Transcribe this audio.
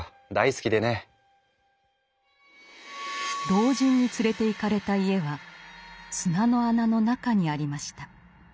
老人に連れていかれた家は砂の穴の中にありました。